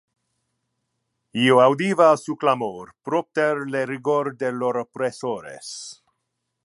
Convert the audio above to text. Io audiva su clamor propter le rigor de lor oppressores.